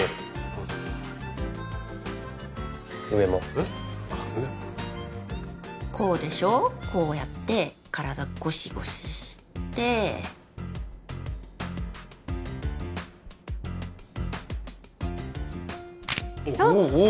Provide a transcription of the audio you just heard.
あっ上もこうでしょこうやって体ゴシゴシしておっおお！